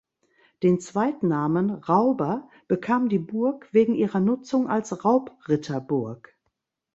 Den Zweitnamen "Rauber" bekam die Burg wegen ihrer Nutzung als Raubritterburg.